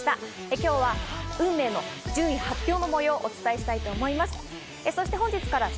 今日は運命の順位発表の模様をお伝えしたいと思います。